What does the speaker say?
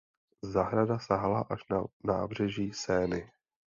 Zahrada sahala až na nábřeží Seiny.